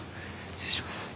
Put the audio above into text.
失礼します。